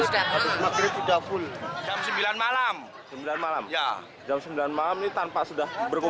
ini tadi ada keributan ini sempat apa itu